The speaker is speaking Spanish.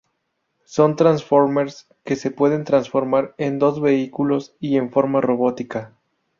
Son Transformers que se pueden transformar en dos vehículos y en forma robótica.